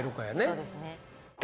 そうですねだ